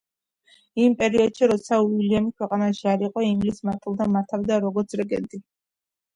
იმ პერიოდში, როცა უილიამი ქვეყანაში არ იყო, ინგლისს მატილდა მართავდა, როგორც რეგენტი.